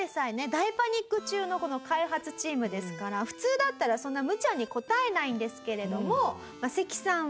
大パニック中のこの開発チームですから普通だったらそんな無茶に応えないんですけれどもセキさんは。